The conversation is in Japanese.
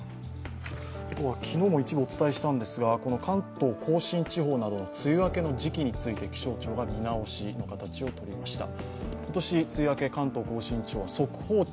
あとは昨日も一部お伝えしたんですが関東甲信地方などの梅雨明けの時期について気象庁が見直しをしました。